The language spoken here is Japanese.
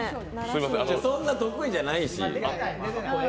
そんな得意じゃないし。